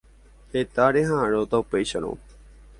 Heta reha'ãrõta upéicharõ.